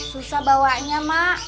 susah bawanya mak